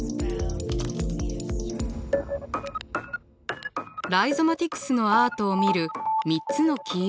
ライゾマティクスのアートを見る３つのキーワード。